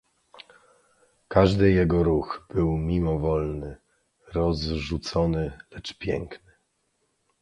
"Każdy jego ruch był mimowolny, rozrzucony, lecz piękny."